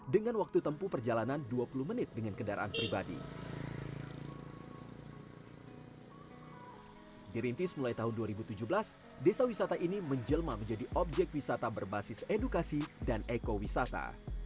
desa wisata ini menjelma menjadi objek wisata berbasis edukasi dan ekowisata